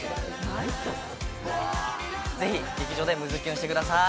ぜひ、劇場でムズキュンしてください！